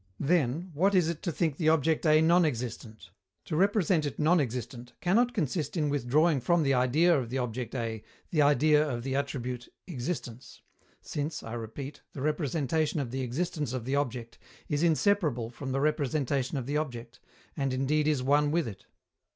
Then, what is it to think the object A non existent? To represent it non existent cannot consist in withdrawing from the idea of the object A the idea of the attribute "existence," since, I repeat, the representation of the existence of the object is inseparable from the representation of the object, and indeed is one with it.